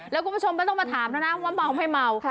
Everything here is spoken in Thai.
แล้วคุณผู้ชมไม่ต้องมาถามแล้วนะว่าเมาไม่เมา